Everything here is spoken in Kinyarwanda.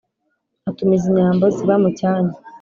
Atumiza inyambo ziba mu Cyanya